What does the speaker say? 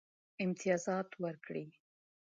امتیازات ورکړي.